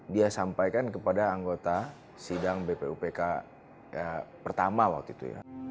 dia sampaikan kepada anggota sidang bpupk pertama waktu itu ya